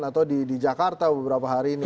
atau di jakarta beberapa hari ini